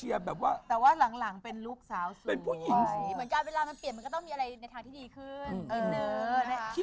เหมือนกับเวลามันเปลี่ยนมันก็ต้องมีอะไรในทางที่ดีขึ้น